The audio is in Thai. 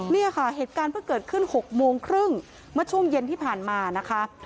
เนี่ยค่ะเหตุการณ์เพิ่งเกิดขึ้น๖โมงครึ่งเมื่อช่วงเย็นที่ผ่านมานะคะ